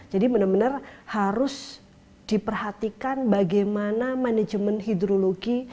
jadi benar benar harus diperhatikan bagaimana manajemen hidrologi